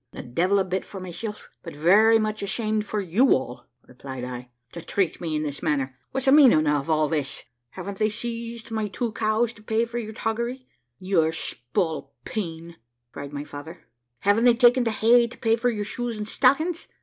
`The devil a bit for myself, but very much ashamed for you all,' replied I, `to treat me in this manner. What's the meaning of all this?' `Haven't they seized my two cows to pay for your toggery, you spalpeen?' cried my father. `Haven't they taken the hay to pay for your shoes and stockings?'